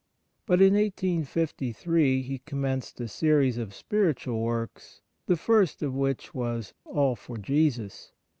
But in 1853 he commenced a series of spiritual works, the first of which was ' All for Jesus.'